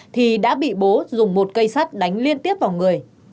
thì đã bị bố dùng một cây sắt đánh liên tiếp vào người